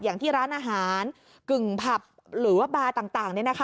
อย่างที่ร้านอาหารกึ่งผับหรือว่าบาร์ต่าง